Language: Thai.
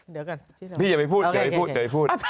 เดี๋ยวกันชื่อข้างหลังแล้วพี่อย่าไปพูดจะไปพูด